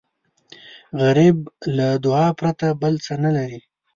غریب له دعا پرته بل څه نه لري